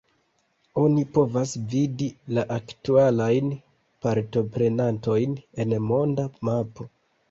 Oni povas vidi la aktualajn partoprenantojn en monda mapo.